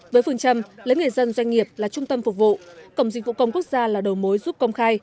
với phương châm lấy người dân doanh nghiệp là trung tâm phục vụ cổng dịch vụ công quốc gia là đầu mối giúp công khai